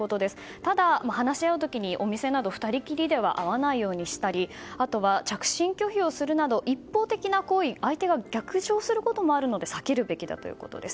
ただ、話し合う時にお店など２人きりでは会わないようにしたりあとは着信拒否をするなど一方的な行為は相手が逆上することもあるので避けるべきだということです。